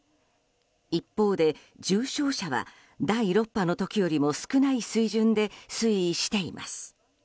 一方で重症者は第６波の時よりも少ない水準で推移しています。